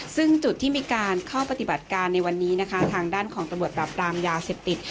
ซึ่งจุดที่มีการเข้าปฏิบัติการในวันนี้นะคะทางด้านของตำรวจปรับปรามยาเสพติด